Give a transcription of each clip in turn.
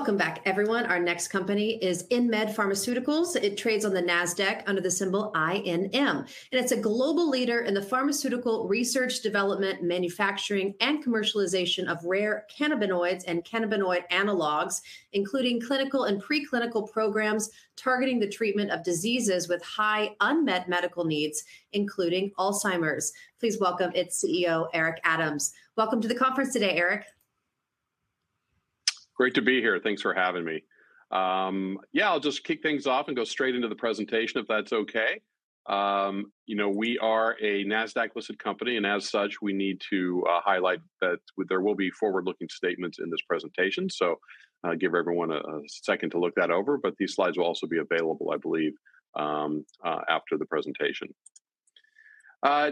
Welcome back, everyone. Our next company is InMed Pharmaceuticals. It trades on the NASDAQ under the symbol INM, and it's a global leader in the pharmaceutical research, development, manufacturing, and commercialization of rare cannabinoids and cannabinoid analogs, including clinical and preclinical programs targeting the treatment of diseases with high unmet medical needs, including Alzheimer's. Please welcome its CEO, Eric Adams. Welcome to the conference today, Eric. Great to be here. Thanks for having me. Yeah, I'll just kick things off and go straight into the presentation if that's okay. You know, we are a NASDAQ-listed company, and as such, we need to highlight that there will be forward-looking statements in this presentation. So give everyone a second to look that over. But these slides will also be available, I believe, after the presentation.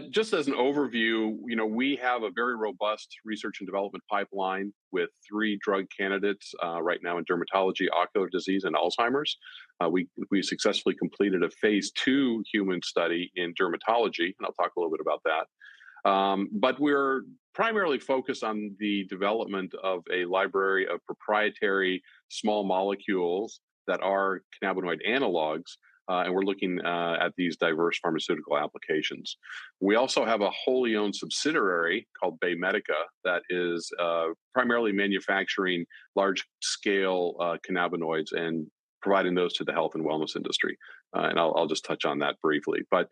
Just as an overview, you know, we have a very robust research and development pipeline with 3 drug candidates right now in dermatology, ocular disease, and Alzheimer's. We successfully completed a Phase II human study in dermatology, and I'll talk a little bit about that. But we're primarily focused on the development of a library of proprietary small molecules that are cannabinoid analogs, and we're looking at these diverse pharmaceutical applications. We also have a wholly owned subsidiary called BayMedica that is primarily manufacturing large-scale cannabinoids and providing those to the health and wellness industry. I'll just touch on that briefly. But,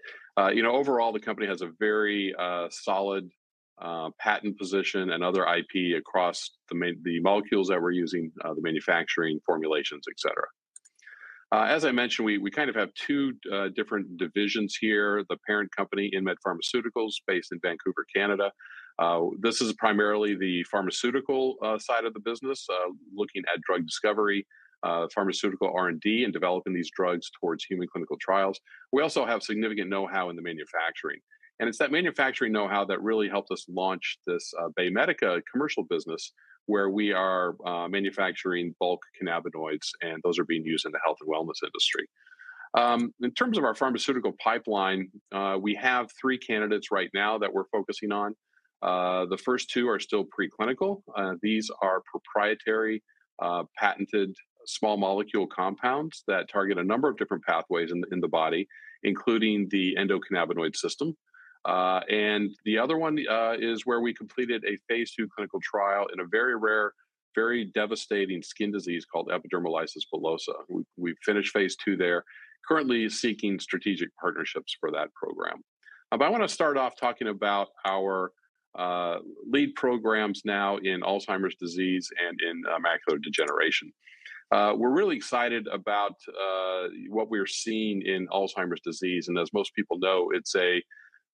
you know, overall, the company has a very solid patent position and other IP across the molecules that we're using, the manufacturing formulations, et cetera. As I mentioned, we kind of have two different divisions here. The parent company, InMed Pharmaceuticals, is based in Vancouver, Canada. This is primarily the pharmaceutical side of the business, looking at drug discovery, pharmaceutical R&D, and developing these drugs towards human clinical trials. We also have significant know-how in the manufacturing. And it's that manufacturing know-how that really helped us launch this BayMedica commercial business, where we are manufacturing bulk cannabinoids, and those are being used in the health and wellness industry. In terms of our pharmaceutical pipeline, we have 3 candidates right now that we're focusing on. The first 2 are still preclinical. These are proprietary patented small molecule compounds that target a number of different pathways in the body, including the endocannabinoid system. The other one is where we completed a Phase II clinical trial in a very rare, very devastating skin disease called epidermolysis bullosa. We finished Phase II there, currently seeking strategic partnerships for that program. I want to start off talking about our lead programs now in Alzheimer's disease and in macular degeneration. We're really excited about what we're seeing in Alzheimer's disease. As most people know, it's a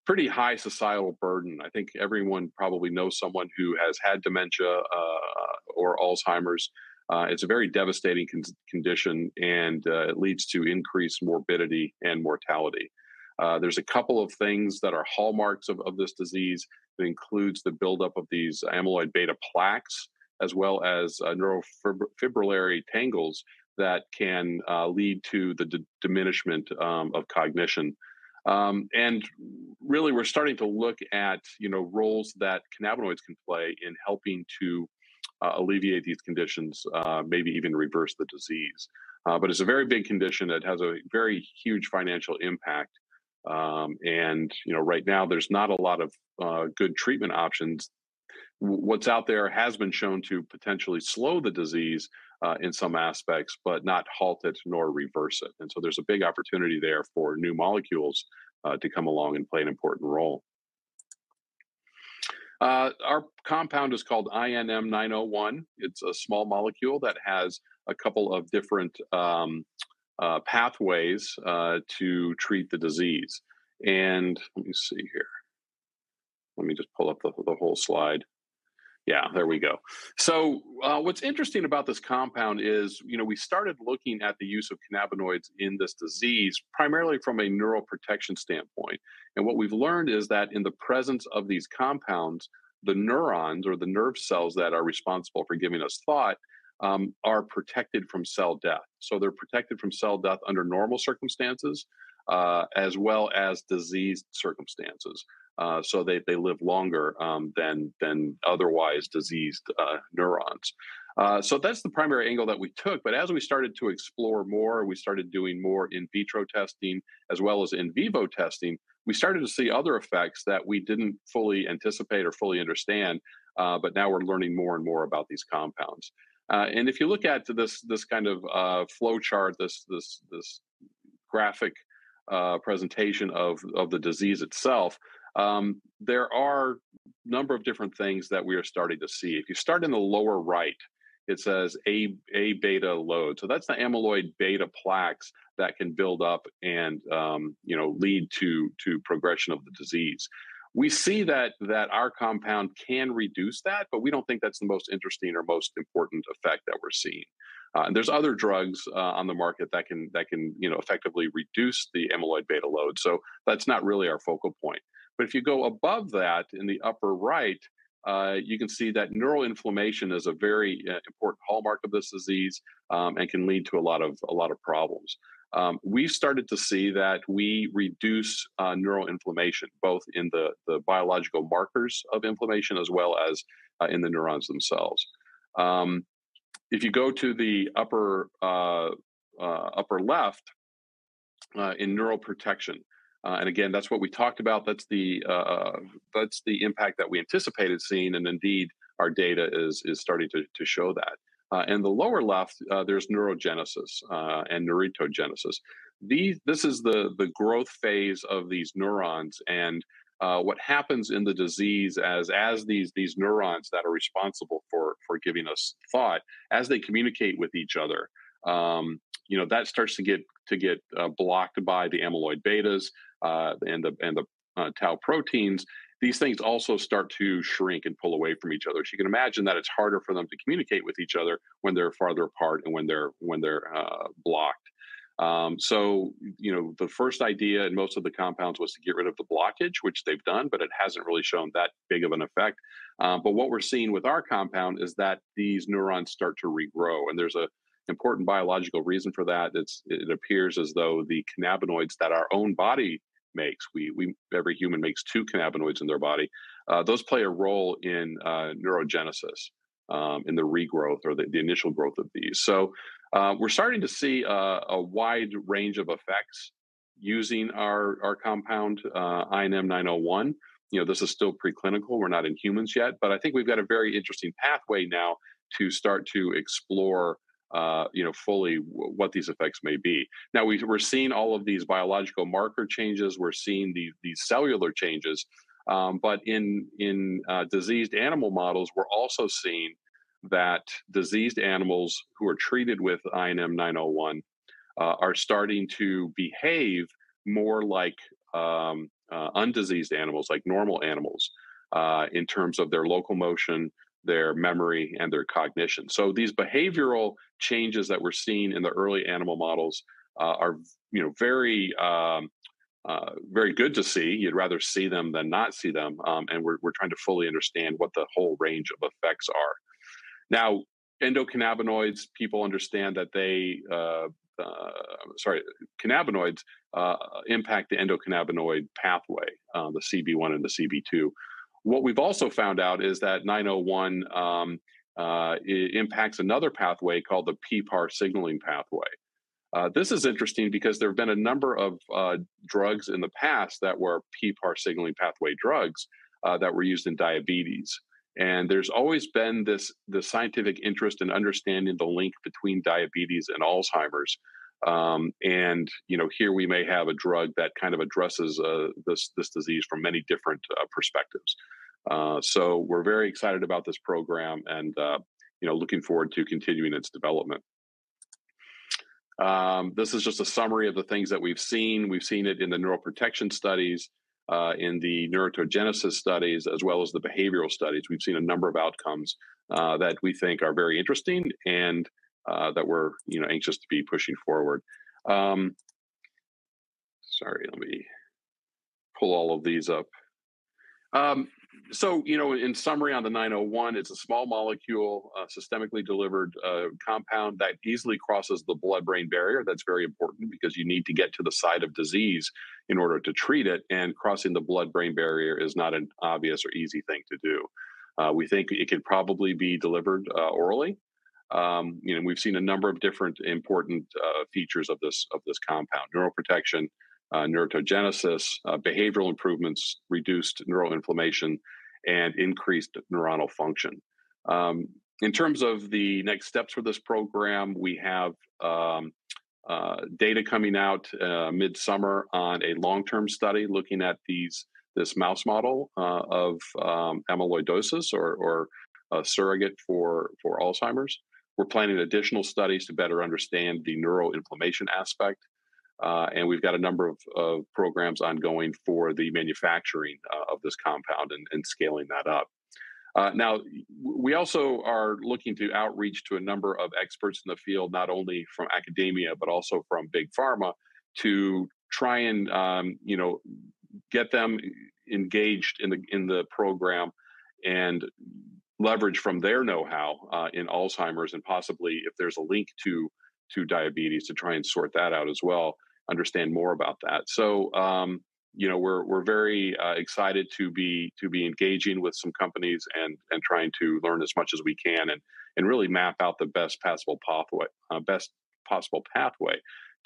pretty high societal burden. I think everyone probably knows someone who has had dementia or Alzheimer's. It's a very devastating condition, and it leads to increased morbidity and mortality. There's a couple of things that are hallmarks of this disease. It includes the buildup of these amyloid beta plaques, as well as neurofibrillary tangles that can lead to the diminishment of cognition. And really, we're starting to look at, you know, roles that cannabinoids can play in helping to alleviate these conditions, maybe even reverse the disease. But it's a very big condition that has a very huge financial impact. And, you know, right now, there's not a lot of good treatment options. What's out there has been shown to potentially slow the disease in some aspects, but not halt it nor reverse it. And so there's a big opportunity there for new molecules to come along and play an important role. Our compound is called INM-901. It's a small molecule that has a couple of different pathways to treat the disease. And let me see here. Let me just pull up the whole slide. Yeah, there we go. So what's interesting about this compound is, you know, we started looking at the use of cannabinoids in this disease primarily from a neural protection standpoint. And what we've learned is that in the presence of these compounds, the neurons or the nerve cells that are responsible for giving us thought are protected from cell death. So they're protected from cell death under normal circumstances, as well as diseased circumstances. So they live longer than otherwise diseased neurons. So that's the primary angle that we took. But as we started to explore more, we started doing more in vitro testing, as well as in vivo testing, we started to see other effects that we didn't fully anticipate or fully understand. But now we're learning more and more about these compounds. If you look at this kind of flow chart, this graphic presentation of the disease itself, there are a number of different things that we are starting to see. If you start in the lower right, it says A beta load. So that's the amyloid beta plaques that can build up and, you know, lead to progression of the disease. We see that our compound can reduce that, but we don't think that's the most interesting or most important effect that we're seeing. There's other drugs on the market that can, you know, effectively reduce the amyloid beta load. That's not really our focal point. But if you go above that in the upper right, you can see that neural inflammation is a very important hallmark of this disease and can lead to a lot of problems. We've started to see that we reduce neural inflammation, both in the biological markers of inflammation, as well as in the neurons themselves. If you go to the upper left, in neural protection, and again, that's what we talked about, that's the impact that we anticipated seeing. And indeed, our data is starting to show that. In the lower left, there's neurogenesis and neuritogenesis. This is the growth phase of these neurons. And what happens in the disease as these neurons that are responsible for giving us thought, as they communicate with each other, you know, that starts to get blocked by the amyloid betas and the tau proteins. These things also start to shrink and pull away from each other. So you can imagine that it's harder for them to communicate with each other when they're farther apart and when they're blocked. So, you know, the first idea in most of the compounds was to get rid of the blockage, which they've done, but it hasn't really shown that big of an effect. But what we're seeing with our compound is that these neurons start to regrow. And there's an important biological reason for that. It appears as though the cannabinoids that our own body makes, every human makes two cannabinoids in their body, those play a role in neurogenesis, in the regrowth or the initial growth of these. So we're starting to see a wide range of effects using our compound INM-901. You know, this is still preclinical. We're not in humans yet. But I think we've got a very interesting pathway now to start to explore, you know, fully what these effects may be. Now, we're seeing all of these biological marker changes. We're seeing these cellular changes. But in diseased animal models, we're also seeing that diseased animals who are treated with INM-901 are starting to behave more like undiseased animals, like normal animals, in terms of their locomotion, their memory, and their cognition. So these behavioral changes that we're seeing in the early animal models are, you know, very good to see. You'd rather see them than not see them. And we're trying to fully understand what the whole range of effects are. Now, people understand that cannabinoids impact the endocannabinoid pathway, the CB1 and the CB2. What we've also found out is that 901 impacts another pathway called the PPAR signaling pathway. This is interesting because there have been a number of drugs in the past that were PPAR signaling pathway drugs that were used in diabetes. And there's always been this scientific interest in understanding the link between diabetes and Alzheimer's. You know, here we may have a drug that kind of addresses this disease from many different perspectives. So we're very excited about this program and, you know, looking forward to continuing its development. This is just a summary of the things that we've seen. We've seen it in the neuroprotection studies, in the neurogenesis studies, as well as the behavioral studies. We've seen a number of outcomes that we think are very interesting and that we're, you know, anxious to be pushing forward. Sorry, let me pull all of these up. So, you know, in summary on the 901, it's a small molecule, systemically delivered compound that easily crosses the blood-brain barrier. That's very important because you need to get to the site of disease in order to treat it. Crossing the blood-brain barrier is not an obvious or easy thing to do. We think it could probably be delivered orally. You know, we've seen a number of different important features of this compound: neural protection, neurogenesis, behavioral improvements, reduced neural inflammation, and increased neuronal function. In terms of the next steps for this program, we have data coming out mid-summer on a long-term study looking at this mouse model of amyloidosis or surrogate for Alzheimer's. We're planning additional studies to better understand the neural inflammation aspect. We've got a number of programs ongoing for the manufacturing of this compound and scaling that up. Now, we also are looking to outreach to a number of experts in the field, not only from academia, but also from big pharma, to try and, you know, get them engaged in the program and leverage from their know-how in Alzheimer's and possibly, if there's a link to diabetes, to try and sort that out as well, understand more about that. So, you know, we're very excited to be engaging with some companies and trying to learn as much as we can and really map out the best possible pathway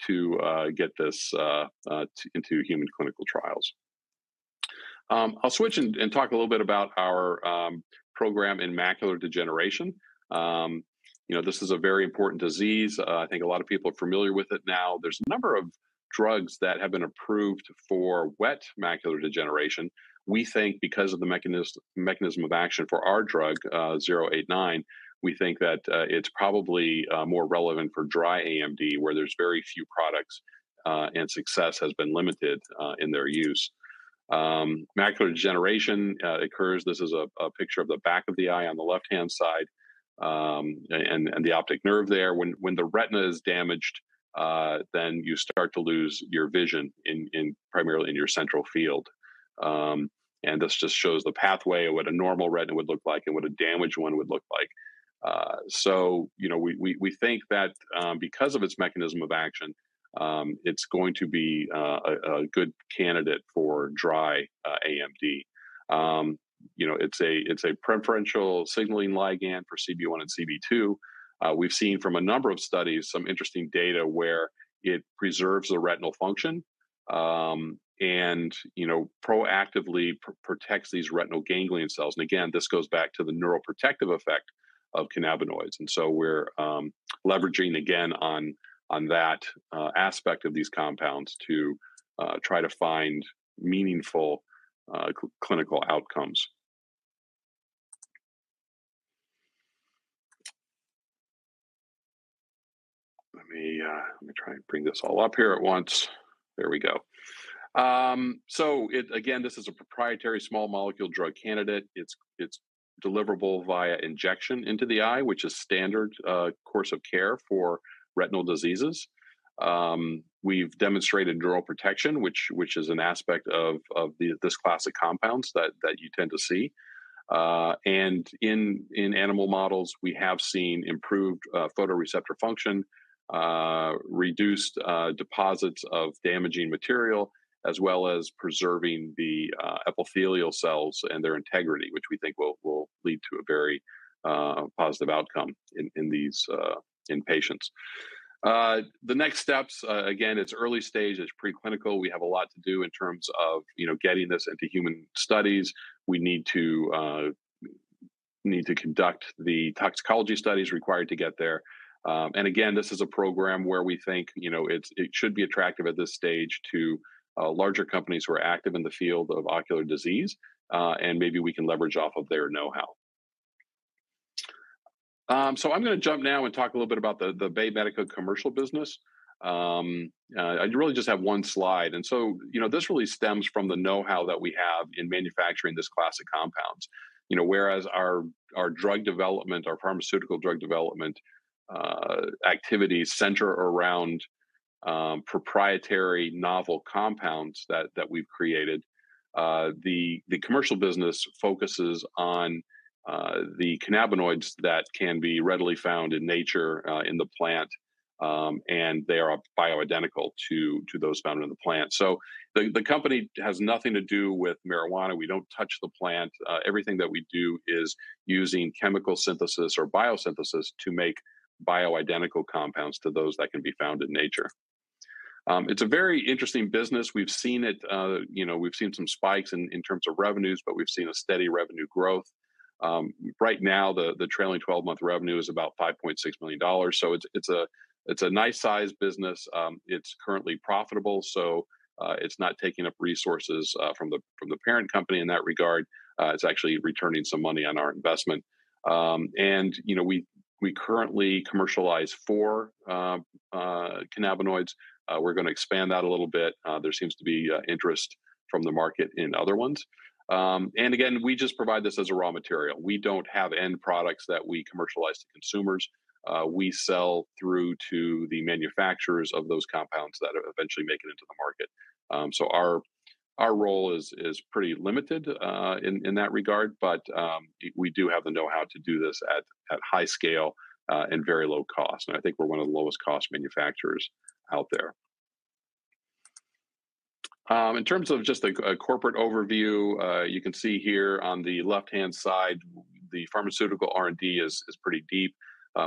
to get this into human clinical trials. I'll switch and talk a little bit about our program in macular degeneration. You know, this is a very important disease. I think a lot of people are familiar with it now. There's a number of drugs that have been approved for wet macular degeneration. We think because of the mechanism of action for our drug, INM-089, we think that it's probably more relevant for dry AMD, where there's very few products and success has been limited in their use. Macular degeneration occurs. This is a picture of the back of the eye on the left-hand side and the optic nerve there. When the retina is damaged, then you start to lose your vision primarily in your central field. This just shows the pathway of what a normal retina would look like and what a damaged one would look like. So, you know, we think that because of its mechanism of action, it's going to be a good candidate for dry AMD. You know, it's a preferential signaling ligand for CB1 and CB2. We've seen from a number of studies some interesting data where it preserves the retinal function and, you know, proactively protects these retinal ganglion cells. And again, this goes back to the neuroprotective effect of cannabinoids. And so we're leveraging again on that aspect of these compounds to try to find meaningful clinical outcomes. Let me try and bring this all up here at once. There we go. So again, this is a proprietary small molecule drug candidate. It's deliverable via injection into the eye, which is a standard course of care for retinal diseases. We've demonstrated neuroprotection, which is an aspect of these classic compounds that you tend to see. And in animal models, we have seen improved photoreceptor function, reduced deposits of damaging material, as well as preserving the epithelial cells and their integrity, which we think will lead to a very positive outcome in these patients. The next steps, again, it's early stage. It's preclinical. We have a lot to do in terms of, you know, getting this into human studies. We need to conduct the toxicology studies required to get there. And again, this is a program where we think, you know, it should be attractive at this stage to larger companies who are active in the field of ocular disease. And maybe we can leverage off of their know-how. So I'm going to jump now and talk a little bit about the BayMedica commercial business. I really just have one slide. And so, you know, this really stems from the know-how that we have in manufacturing these classic compounds. You know, whereas our drug development, our pharmaceutical drug development activities center around proprietary novel compounds that we've created, the commercial business focuses on the cannabinoids that can be readily found in nature in the plant. And they are bioidentical to those found in the plant. So the company has nothing to do with marijuana. We don't touch the plant. Everything that we do is using chemical synthesis or biosynthesis to make bioidentical compounds to those that can be found in nature. It's a very interesting business. We've seen it, you know, we've seen some spikes in terms of revenues, but we've seen a steady revenue growth. Right now, the trailing 12-month revenue is about $5.6 million. So it's a nice-sized business. It's currently profitable. So it's not taking up resources from the parent company in that regard. It's actually returning some money on our investment. And, you know, we currently commercialize four cannabinoids. We're going to expand that a little bit. There seems to be interest from the market in other ones. And again, we just provide this as a raw material. We don't have end products that we commercialize to consumers. We sell through to the manufacturers of those compounds that eventually make it into the market. So our role is pretty limited in that regard. But we do have the know-how to do this at high scale and very low cost. And I think we're one of the lowest-cost manufacturers out there. In terms of just a corporate overview, you can see here on the left-hand side, the pharmaceutical R&D is pretty deep.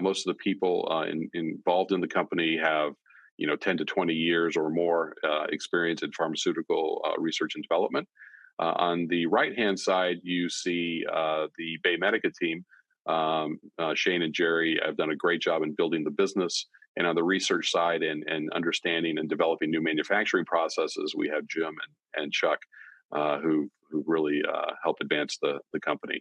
Most of the people involved in the company have, you know, 10-20 years or more experience in pharmaceutical research and development. On the right-hand side, you see the BayMedica team. Shane and Jerry have done a great job in building the business. On the research side and understanding and developing new manufacturing processes, we have Jim and Chuck, who really help advance the company.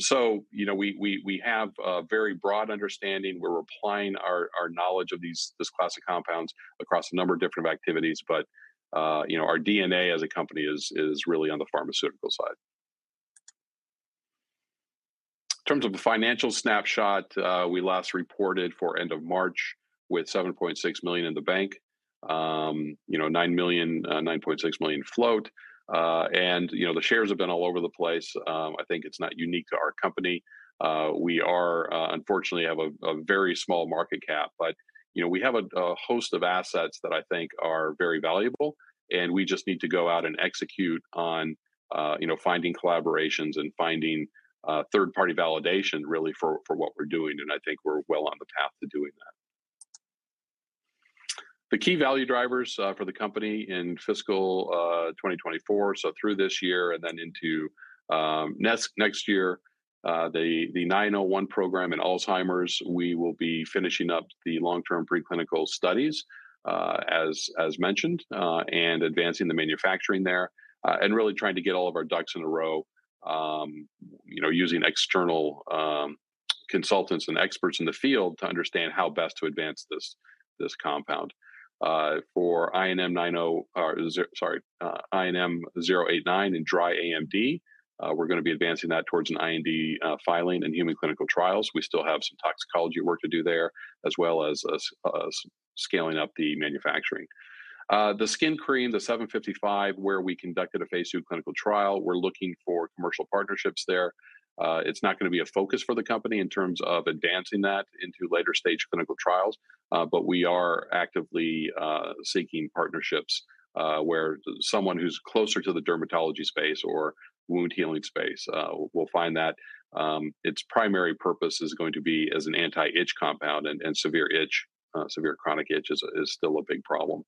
So, you know, we have a very broad understanding. We're applying our knowledge of these classic compounds across a number of different activities. But, you know, our DNA as a company is really on the pharmaceutical side. In terms of the financial snapshot, we last reported for end of March with $7.6 million in the bank, you know, 9.6 million float. You know, the shares have been all over the place. I think it's not unique to our company. We are, unfortunately, have a very small market cap. But, you know, we have a host of assets that I think are very valuable. We just need to go out and execute on, you know, finding collaborations and finding third-party validation really for what we're doing. I think we're well on the path to doing that. The key value drivers for the company in fiscal 2024, so through this year and then into next year, the INM-901 program in Alzheimer's, we will be finishing up the long-term preclinical studies, as mentioned, and advancing the manufacturing there, and really trying to get all of our ducks in a row, you know, using external consultants and experts in the field to understand how best to advance this compound. For INM-089 and dry AMD, we're going to be advancing that towards an IND filing and human clinical trials. We still have some toxicology work to do there, as well as scaling up the manufacturing. The skin cream, the 755, where we conducted a Phase II clinical trial, we're looking for commercial partnerships there. It's not going to be a focus for the company in terms of advancing that into later-stage clinical trials. But we are actively seeking partnerships where someone who's closer to the dermatology space or wound healing space will find that its primary purpose is going to be as an anti-itch compound. And severe itch, severe chronic itch is still a big problem.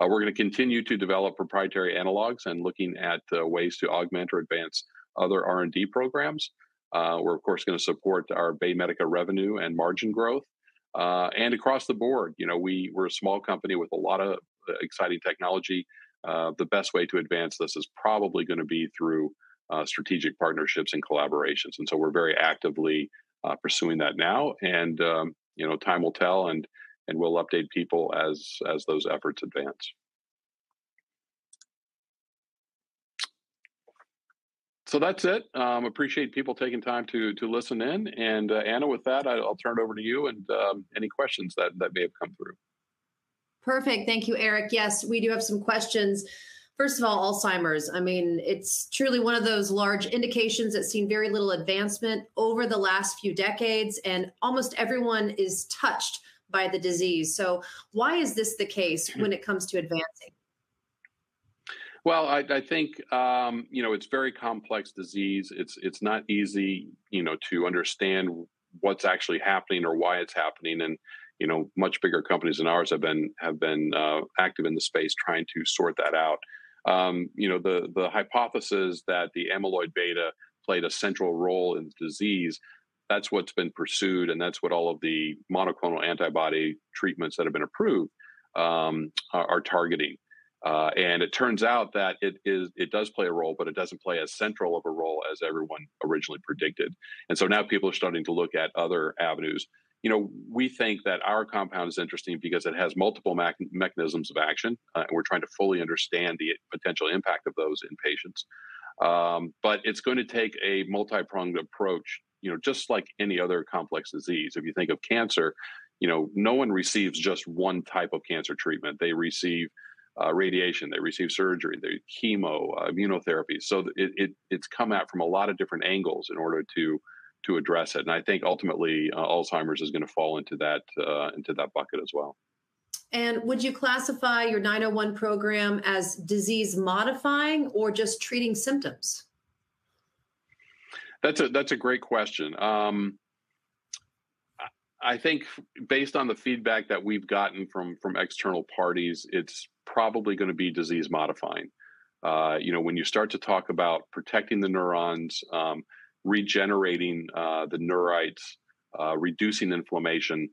We're going to continue to develop proprietary analogs and looking at ways to augment or advance other R&D programs. We're, of course, going to support our BayMedica revenue and margin growth. And across the board, you know, we're a small company with a lot of exciting technology. The best way to advance this is probably going to be through strategic partnerships and collaborations. So we're very actively pursuing that now. You know, time will tell. We'll update people as those efforts advance. So that's it. Appreciate people taking time to listen in. Anna, with that, I'll turn it over to you and any questions that may have come through. Perfect. Thank you, Eric. Yes, we do have some questions. First of all, Alzheimer's. I mean, it's truly one of those large indications that see very little advancement over the last few decades. Almost everyone is touched by the disease. So why is this the case when it comes to advancing? Well, I think, you know, it's a very complex disease. It's not easy, you know, to understand what's actually happening or why it's happening. You know, much bigger companies than ours have been active in the space trying to sort that out. You know, the hypothesis that the amyloid beta played a central role in the disease, that's what's been pursued. And that's what all of the monoclonal antibody treatments that have been approved are targeting. And it turns out that it does play a role, but it doesn't play as central of a role as everyone originally predicted. And so now people are starting to look at other avenues. You know, we think that our compound is interesting because it has multiple mechanisms of action. And we're trying to fully understand the potential impact of those in patients. But it's going to take a multi-pronged approach, you know, just like any other complex disease. If you think of cancer, you know, no one receives just one type of cancer treatment. They receive radiation. They receive surgery. They receive chemo, immunotherapy. So it's come out from a lot of different angles in order to address it. And I think ultimately Alzheimer's is going to fall into that bucket as well. And would you classify your 901 program as disease-modifying or just treating symptoms? That's a great question. I think based on the feedback that we've gotten from external parties, it's probably going to be disease-modifying. You know, when you start to talk about protecting the neurons, regenerating the neurites, reducing inflammation,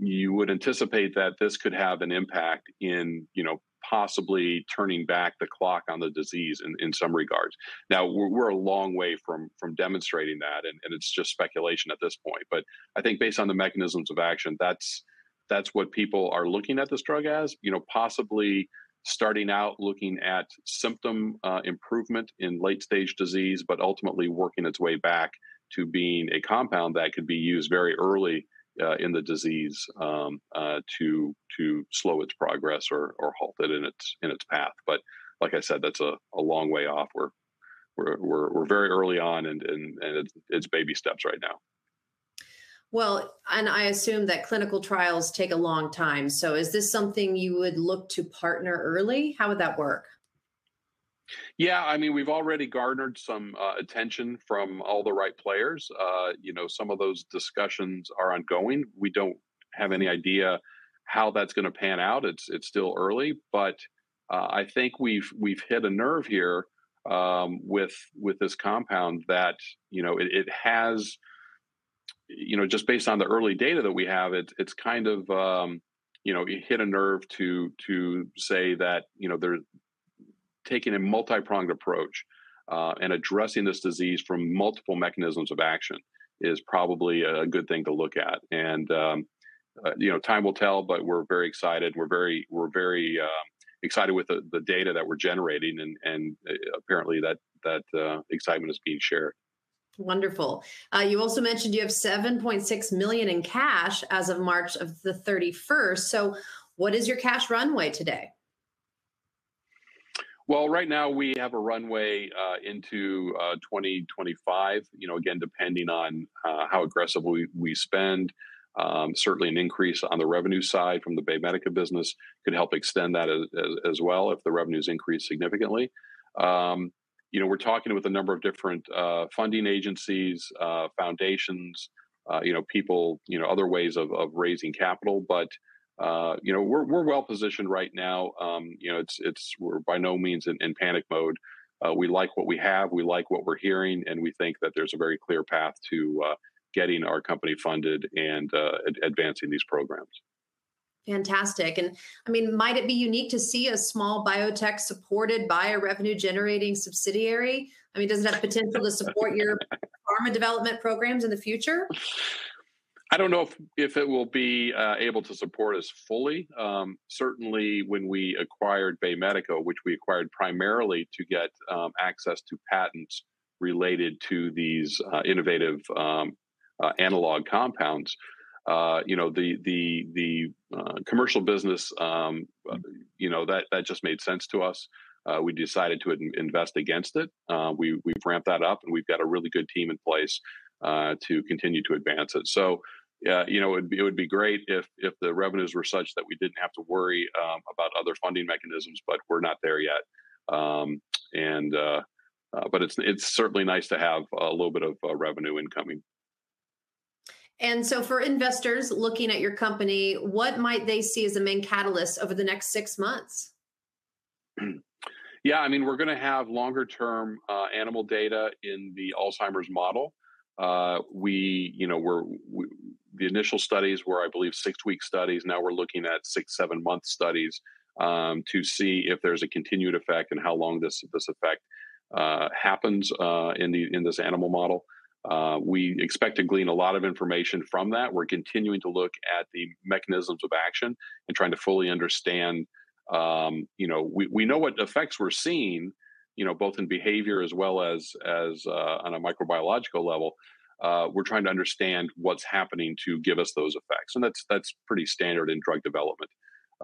you would anticipate that this could have an impact in, you know, possibly turning back the clock on the disease in some regards. Now, we're a long way from demonstrating that. And it's just speculation at this point. But I think based on the mechanisms of action, that's what people are looking at this drug as, you know, possibly starting out looking at symptom improvement in late-stage disease, but ultimately working its way back to being a compound that could be used very early in the disease to slow its progress or halt it in its path. But like I said, that's a long way off. We're very early on. And it's baby steps right now. Well, and I assume that clinical trials take a long time. So is this something you would look to partner early? How would that work? Yeah, I mean, we've already garnered some attention from all the right players. You know, some of those discussions are ongoing. We don't have any idea how that's going to pan out. It's still early. But I think we've hit a nerve here with this compound that, you know, it has, you know, just based on the early data that we have, it's kind of, you know, hit a nerve to say that, you know, taking a multi-pronged approach and addressing this disease from multiple mechanisms of action is probably a good thing to look at. And, you know, time will tell. But we're very excited. We're very excited with the data that we're generating. And apparently that excitement is being shared. Wonderful. You also mentioned you have $7.6 million in cash as of March 31st. So what is your cash runway today? Well, right now, we have a runway into 2025, you know, again, depending on how aggressively we spend. Certainly, an increase on the revenue side from the BayMedica business could help extend that as well if the revenues increase significantly. You know, we're talking with a number of different funding agencies, foundations, you know, people, you know, other ways of raising capital. But, you know, we're well positioned right now. You know, we're by no means in panic mode. We like what we have. We like what we're hearing. And we think that there's a very clear path to getting our company funded and advancing these programs. Fantastic. And I mean, might it be unique to see a small biotech supported by a revenue-generating subsidiary? I mean, does it have potential to support your pharma development programs in the future? I don't know if it will be able to support us fully. Certainly, when we acquired BayMedica, which we acquired primarily to get access to patents related to these innovative analog compounds, you know, the commercial business, you know, that just made sense to us. We decided to invest against it. We've ramped that up. We've got a really good team in place to continue to advance it. So, you know, it would be great if the revenues were such that we didn't have to worry about other funding mechanisms. But we're not there yet. And but it's certainly nice to have a little bit of revenue incoming. And so for investors looking at your company, what might they see as the main catalyst over the next six months? Yeah, I mean, we're going to have longer-term animal data in the Alzheimer's model. We, you know, the initial studies were, I believe, six-week studies. Now we're looking at 6-7-month studies to see if there's a continued effect and how long this effect happens in this animal model. We expect to glean a lot of information from that. We're continuing to look at the mechanisms of action and trying to fully understand, you know, we know what effects we're seeing, you know, both in behavior as well as on a microbiological level. We're trying to understand what's happening to give us those effects. That's pretty standard in drug development.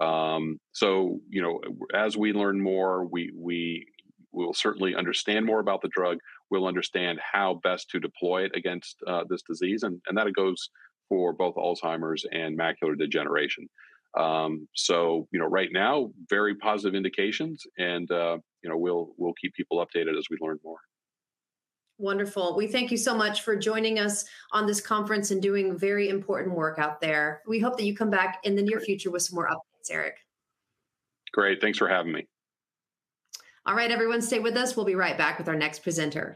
You know, as we learn more, we will certainly understand more about the drug. We'll understand how best to deploy it against this disease. That goes for both Alzheimer's and macular degeneration. You know, right now, very positive indications. We'll keep people updated as we learn more. Wonderful. We thank you so much for joining us on this conference and doing very important work out there. We hope that you come back in the near future with some more updates, Eric. Great. Thanks for having me. All right, everyone, stay with us. We'll be right back with our next presenter.